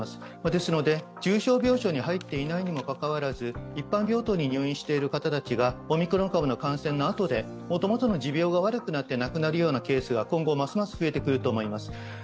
ですので重症病床に入っていないにもかかわらず、一般病棟に入院している方がオミクロン株の感染のあとで、もともとの持病が悪くなって亡くなるようなケースが今後ますます増えてくると思います。